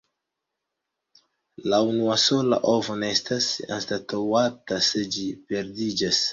La unusola ovo ne estas anstataŭata se ĝi perdiĝas.